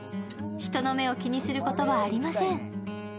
人の目を気にすることはありません。